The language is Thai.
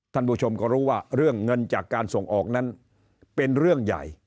ท่านผู้ชมก็รู้ว่าเรื่องเงินจากการส่งออกนั้นเป็นเรื่องใหญ่